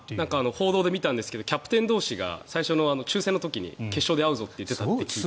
報道で見たんですけどキャプテン同士が最初の抽選の時に決勝で会うぞって言っていたという。